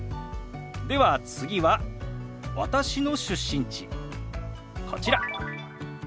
では次は私の出身地こちら。